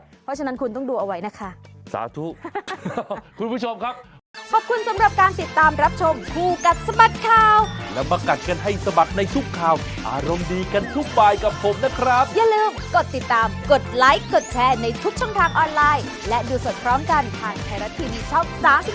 เพราะฉะนั้นคุณต้องดูเอาไว้นะคะสาธุคุณผู้ชมครับ